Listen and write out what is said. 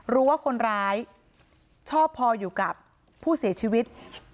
รู้ว่าคนร้ายชอบพออยู่กับผู้เสียชีวิต